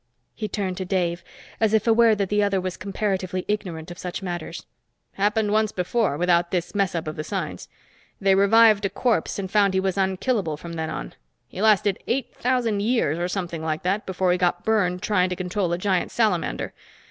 He turned to Dave, as if aware that the other was comparatively ignorant of such matters. "Happened once before, without this mess up of the signs. They revived a corpse and found he was unkillable from then on. He lasted eight thousand years, or something like that, before he got burned trying to control a giant salamander.